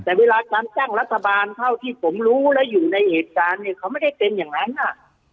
แต่เวลาการตั้งรัฐบาลเท่าที่ผมรู้และอยู่ในเหตุการณ์เนี่ยเขาไม่ได้เป็นอย่างนั้นน่ะ